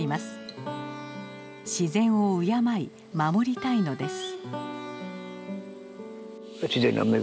自然を敬い守りたいのです。